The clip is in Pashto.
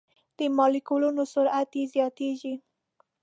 د مالیکولونو سرعت یې زیاتیږي.